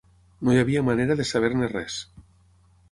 No hi havia manera de saber-ne res